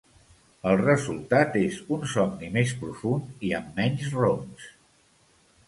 El resultat és un somni més profund i amb menys roncs.